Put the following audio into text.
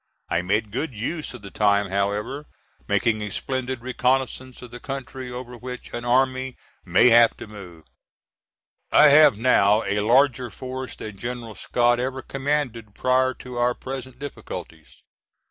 I made good use of the time however, making a splendid reconnoissance of the country over which an army may have to move. I have now a larger force than General Scott ever commanded prior to our present difficulties.